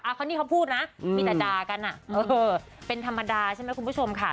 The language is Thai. เขานี่เขาพูดนะมีแต่ด่ากันอ่ะเออเป็นธรรมดาใช่ไหมคุณผู้ชมค่ะ